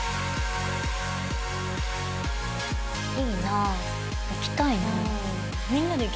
いいな。